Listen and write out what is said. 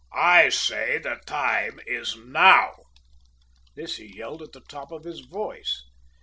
`I say the time is Now!' "This he yelled out at the top of his voice.